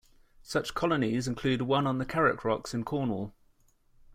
Such colonies include one on the Carrack rocks in Cornwall.